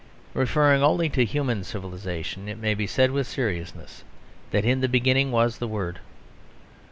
Referring only to human civilisation it may be said with seriousness, that in the beginning was the Word.